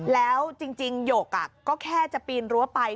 แล้วจริงหยกก็แค่จะปีนรั้วไป